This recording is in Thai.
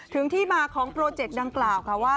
ที่มาของโปรเจกต์ดังกล่าวค่ะว่า